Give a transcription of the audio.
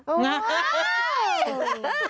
โอ้โฮ